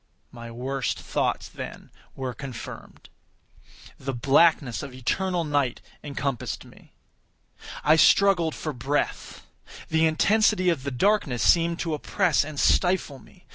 My worst thoughts, then, were confirmed. The blackness of eternal night encompassed me. I struggled for breath. The intensity of the darkness seemed to oppress and stifle me.